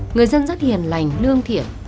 người dân rất hiền lành lương thiện